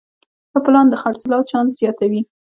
ښه پلان د خرڅلاو چانس زیاتوي.